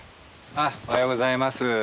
あおはようございます。